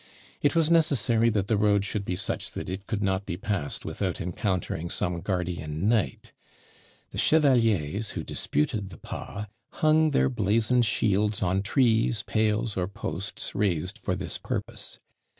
It was necessary that the road should be such that it could not be passed without encountering some guardian knight. The chevaliers who disputed the pas hung their blazoned shields on trees, pales, or posts raised for this purpose.